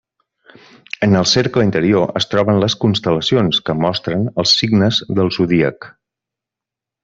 En el cercle interior, es troben les constel·lacions, que mostren els signes del zodíac.